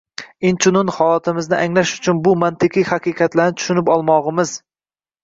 Inchunun, holatimizni anglash uchun bu mantiqiy haqiqatlarni tushunib olmog‘imiz